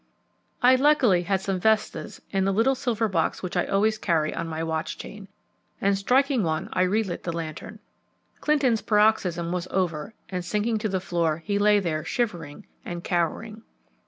I luckily had some vestas in the little silver box which I always carry on my watch chain, and striking one I relit the lantern. Clinton's paroxysm was over, and sinking to the floor he lay there shivering and cowering.